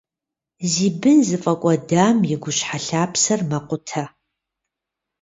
Зи бын зыфӀэкӀуэдам и гущхьэлъапсэр мэкъутэ.